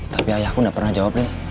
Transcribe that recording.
tapi ayahku gak pernah jawab lin